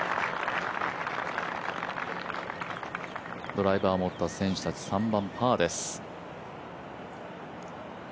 ドライバーを持った選手たち、３番パーです。